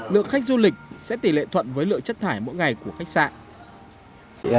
lượng khách du lịch sẽ tỷ lệ thuận với lượng chất thải mỗi ngày của khách sạn